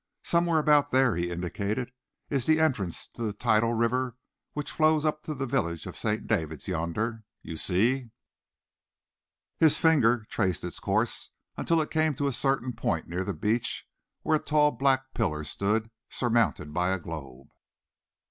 "Somewhere about there," he indicated, "is the entrance to the tidal river which flows up to the village of St. David's yonder. You see?" His finger traced its course until it came to a certain point near the beach, where a tall black pillar stood, surmounted by a globe.